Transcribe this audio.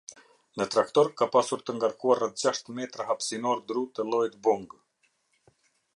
Në traktor ka pasur të ngarkuar rreth gjashtë metra hapësinor dru të llojit bung.